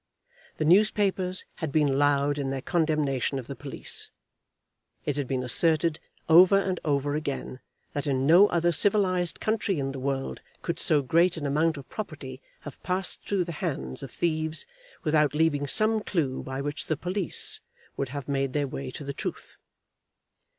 The newspapers had been loud in their condemnation of the police. It had been asserted over and over again that in no other civilised country in the world could so great an amount of property have passed through the hands of thieves without leaving some clue by which the police would have made their way to the truth.